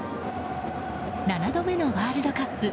７度目のワールドカップ。